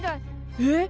えっ？